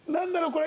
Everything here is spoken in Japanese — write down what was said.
これ。